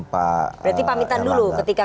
pak elangga berarti pamitan dulu ketika